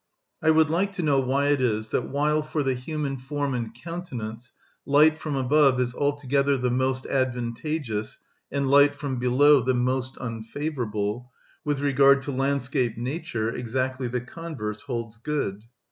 I would like to know why it is that while for the human form and countenance light from above is altogether the most advantageous, and light from below the most unfavourable, with regard to landscape nature exactly the converse holds good.